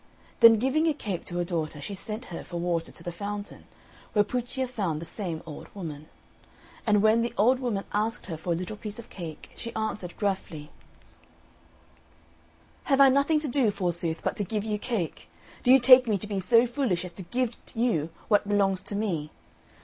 Then giving a cake to her daughter, she sent her for water to the fountain, where Puccia found the same old woman. And when the old woman asked her for a little piece of cake she answered gruffly, "Have I nothing to do, forsooth, but to give you cake? Do you take me to be so foolish as to give you what belongs to me?